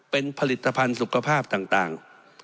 เป็นผลิตภัณฑ์สุขภาพต่าง